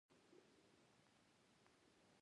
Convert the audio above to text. په لاره کې به د خوراک یو شی پیدا شي.